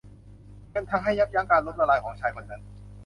เงินทำให้ยับยั้งการล้มละลายของชายคนนั้น